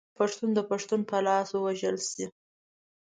پښتون د پښتون په لاس ووژل شي.